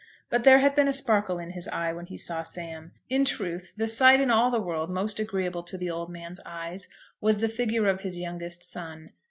But there had been a sparkle in his eye when he saw Sam. In truth, the sight in all the world most agreeable to the old man's eyes was the figure of his youngest son.